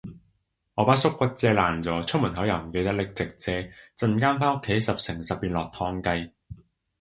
我把縮骨遮爛咗，出門口又唔記得拎直遮，陣間返屋企十成十變落湯雞